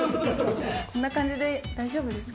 こんな感じで大丈夫ですか。